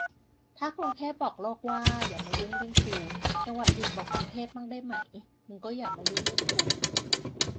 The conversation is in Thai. ถ้ากรุงเทพบอกโลกว่า อย่ามายุ่งเรื่องกู จังหวัดอื่นบอกกรุงเทพมั่งได้ไหม มึงก็อย่ามายุ่งเรื่องกู